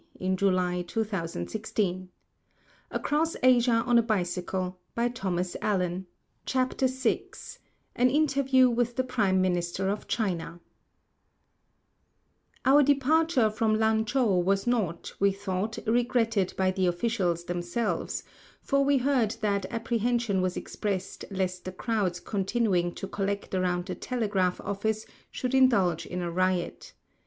FROM A PHOTOGRAPH SENT TO THE AUTHORS BY THE PRIME MINISTER. VI AN INTERVIEW WITH THE PRIME MINISTER OF CHINA Our departure from Lan chou was not, we thought, regretted by the officials themselves, for we heard that apprehension was expressed lest the crowds continuing to collect around the telegraph office should indulge in a riot.